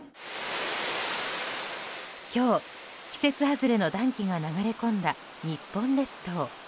今日、季節外れの暖気が流れ込んだ日本列島。